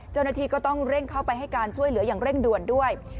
เจ้าหน้าที่ก็ต้องเร่งเข้าไปให้การช่วยเหลืออย่างเร่งด่วนด้วย